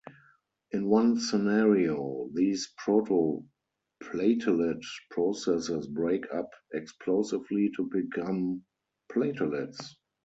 In one scenario, these proto-platelet processes break up explosively to become platelets.